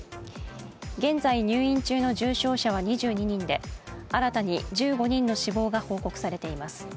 現在、入院中の重症者は２２人で新たに１５人の死亡が報告されています。